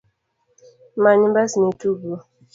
Many mbasni itug go.